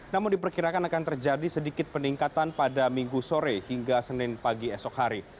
namun diperkirakan akan terjadi sedikit peningkatan pada minggu sore hingga senin pagi esok hari